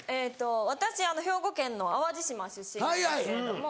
私兵庫県の淡路島出身なんですけれども。